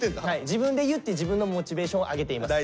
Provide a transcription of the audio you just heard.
自分で言って自分のモチベーションを上げています。